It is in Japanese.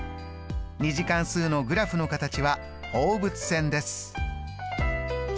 ２次関数のグラフの形は放物線です。